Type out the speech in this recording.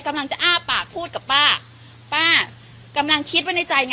อ้าปากพูดกับป้าป้ากำลังคิดไว้ในใจไง